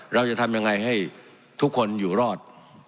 เราจะทำยังไงให้ทุกคนอยู่รอด